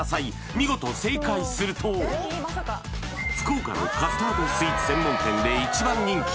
見事福岡のカスタードスイーツ専門店で１番人気！